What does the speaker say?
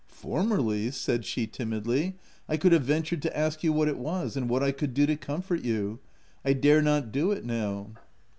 Formerly" said she timidly, "I could have ventured to ask you what it was, and what I could do to comfort you : I dare not do it now."